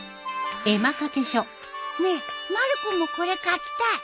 ねえまる子もこれ書きたい。